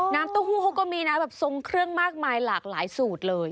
เต้าหู้เขาก็มีนะแบบทรงเครื่องมากมายหลากหลายสูตรเลย